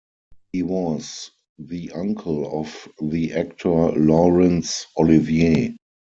He was the uncle of the actor Laurence Olivier.